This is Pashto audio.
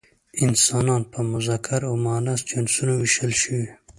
انسانان په مذکر او مؤنث جنسونو ویشل شوي.